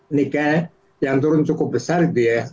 nikel yang turun cukup besar gitu ya